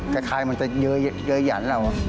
คล้ายมันจะเยอะหยันเรา